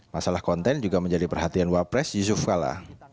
masalah konten juga menjadi perhatian wapres yusuf kala